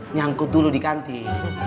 nyangkut dulu di kantin